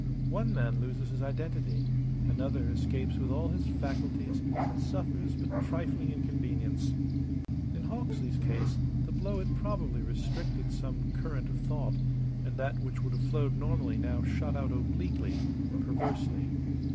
One man loses his identity; another escapes with all his faculties and suffers but trifling inconvenience. In Hawksley's case the blow had probably restricted some current of thought, and that which would have flowed normally now shot out obliquely, perversely.